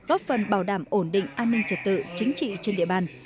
ổn định an ninh trật tự chính trị trên địa bàn